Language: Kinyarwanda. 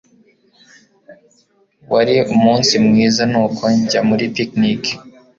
Wari umunsi mwiza nuko njya muri picnic.